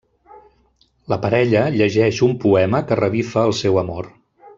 La parella llegeix un poema que revifa el seu amor.